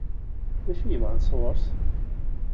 D acu i bɣan sɣur-s?